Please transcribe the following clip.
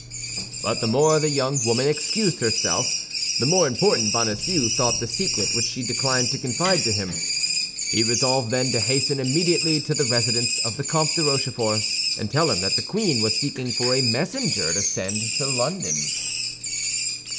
But the more the young woman excused herself, the more important Bonacieux thought the secret which she declined to confide to him. He resolved then to hasten immediately to the residence of the Comte de Rochefort, and tell him that the queen was seeking for a messenger to send to London.